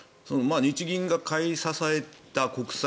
日銀が買い支えた国債